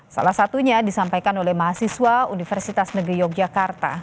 salah satunya disampaikan oleh mahasiswa universitas negeri yogyakarta